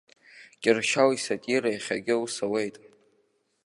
Кьыршьал исатира иахьагьы аус ауеит.